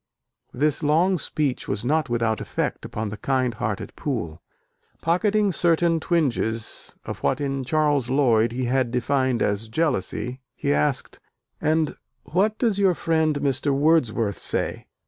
This long speech was not without effect upon the kind hearted Poole. Pocketing certain twinges of what in Charles Lloyd he had defined as jealousy, he asked, "And what does your friend Mr. Wordsworth say?